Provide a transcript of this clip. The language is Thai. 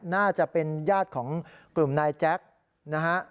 น่าจะเป็นญาติของกลุ่มนายแจ๊คนะฮะ